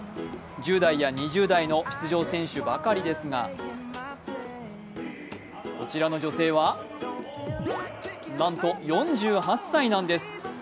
１０代や２０代の出場選手ばかりですがこちらの女性は、なんと４８歳なんです。